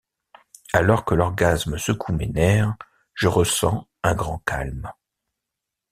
Alors que l’orgasme secoue mes nerfs, je ressens un grand calme.